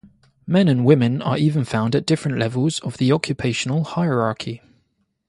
Men and women are even found at different levels of the occupational hierarchy.